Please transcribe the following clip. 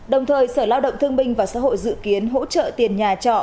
đồng thời sở lao động thương binh và xã hội dự kiến hỗ trợ tiền nhà trọ